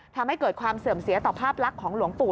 ทำให้เกิดความเสื่อมเสียต่อภาพลักษณ์ของหลวงปู่